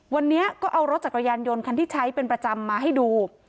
วันนี้ก็เอารถจักรยานยนต์คันที่ใช้เป็นประจำมาให้ดู